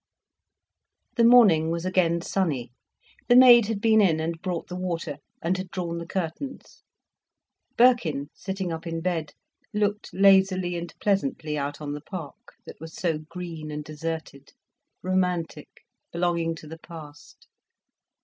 The morning was again sunny. The maid had been in and brought the water, and had drawn the curtains. Birkin, sitting up in bed, looked lazily and pleasantly out on the park, that was so green and deserted, romantic, belonging to the past.